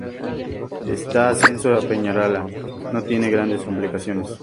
Este ascenso a Peñalara no tiene grandes complicaciones.